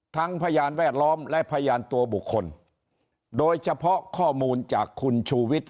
พยานแวดล้อมและพยานตัวบุคคลโดยเฉพาะข้อมูลจากคุณชูวิทย